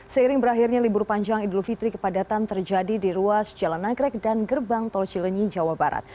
seiring berakhirnya libur panjang idul fitri kepadatan terjadi di ruas jalan nagrek dan gerbang tol cilenyi jawa barat